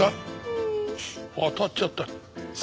当たっちゃった。